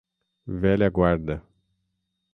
velha guarda